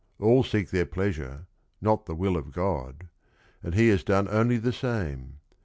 All seek their pleasure, not the will of God, and he has done only the same.